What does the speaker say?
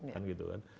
kan gitu kan